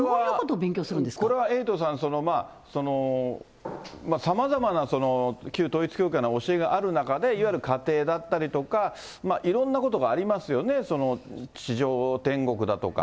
これはエイトさん、さまざまな旧統一教会の教えがある中でいわゆるかていだったりとか、いろんなことがありますよね、その地上天国だとか。